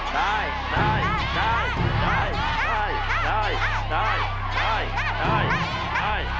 ได้